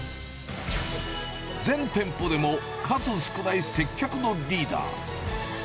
全店舗でも数少ない接客のリーダー。